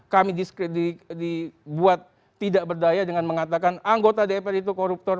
kami dibuat tidak berdaya dengan mengatakan anggota dpr itu koruptor